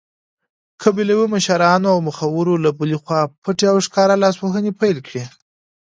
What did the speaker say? قبیلوي مشرانو او مخورو له بلې خوا پټې او ښکاره لاسوهنې پیل کړې.